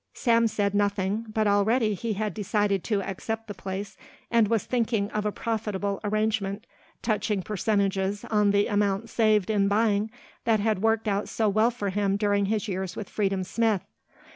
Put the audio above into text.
Sam said nothing, but already he had decided to accept the place, and was thinking of a profitable arrangement touching percentages on the amount saved in buying that had worked out so well for him during his years with Freedom Smith.